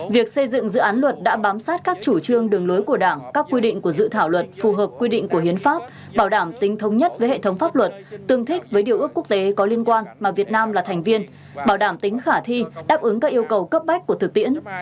việc xây dựng dự án luật đã bám sát các chủ trương đường lối của đảng các quy định của dự thảo luật phù hợp quy định của hiến pháp bảo đảm tính thống nhất với hệ thống pháp luật tương thích với điều ước quốc tế có liên quan mà việt nam là thành viên bảo đảm tính khả thi đáp ứng các yêu cầu cấp bách của thực tiễn